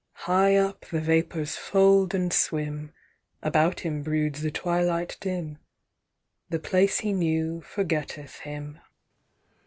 "High up the vapours fold and swim: About him broods the twilight dim: The place he knew forgetteth him."